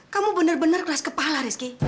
kamu bener bener keras kepala rizky